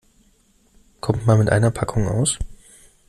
Kommt man mit einer Packung aus?